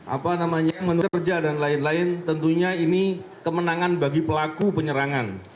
apa namanya menerja dan lain lain tentunya ini kemenangan bagi pelaku penyerangan